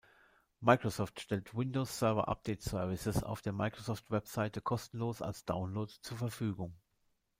Microsoft stellt Windows Server Update Services auf der Microsoft-Website kostenlos als Download zur Verfügung.